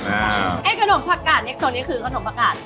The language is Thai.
อ่าวไอ้ขนมปากกาดเนี่ยตัวนี้คือขนมปากกาด